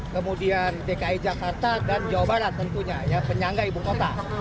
kemudian dki jakarta dan jawa barat tentunya ya penyangga ibu kota